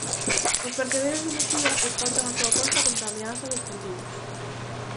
Os percebeiros de Muxía escoltan a súa Costa contra a ameaza dos furtivos.